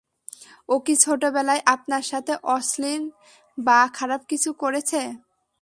ও কী ছোটবেলায় আপনার সাথে অশ্লীল বা খারাপ কিছু করেছে?